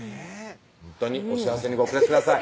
ほんとにお幸せにお暮らしください